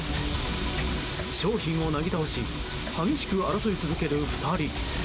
商品をなぎ倒し激しく争い続ける２人。